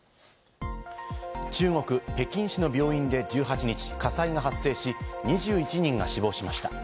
中国北京市の病院で１８日、火災が発生し、２１人が死亡しました。